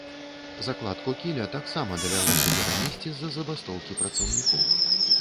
Закладку кіля таксама давялося перанесці з-за забастоўкі працаўнікоў.